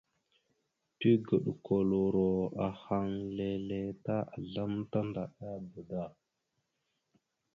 Tigəɗokoloro ahaŋ leele ta azlam tandaɗaba da.